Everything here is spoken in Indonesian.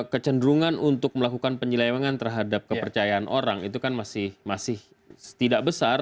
kecenderungan untuk melakukan penyelewangan terhadap kepercayaan orang itu kan masih tidak besar